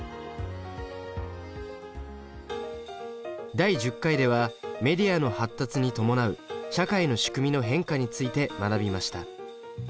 第１０回ではメディアの発達に伴う社会の仕組みの変化について学びました。